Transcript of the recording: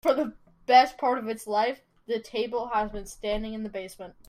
For the best part of its life, the table has been standing in the basement.